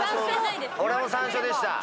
俺も山椒でした。